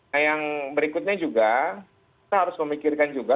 nah yang berikutnya juga kita harus memikirkan juga